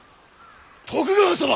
徳川様！